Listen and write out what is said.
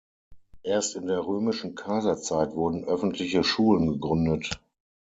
Erst in der Römischen Kaiserzeit wurden öffentliche Schulen gegründet.